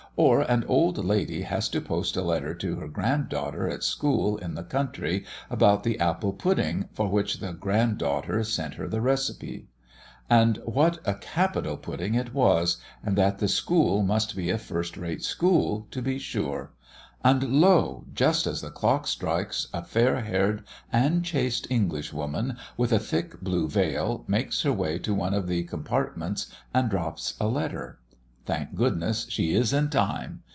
Or an old lady has to post a letter to her grand daughter at school in the country, about the apple pudding, for which the grand daughter sent her the receipt; and what a capital pudding it was, and that the school must be a first rate school to be sure! And lo! just as the clock strikes, a fair haired and chaste English woman, with a thick blue veil, makes her way to one of the compartments and drops a letter. Thank goodness, she is in time!